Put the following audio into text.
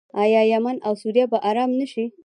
آیا یمن او سوریه به ارام نشي؟